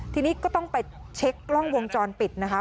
ทีนี้ก็ต้องไปเช็คกล้องวงจรปิดนะคะ